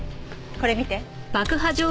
これ見て。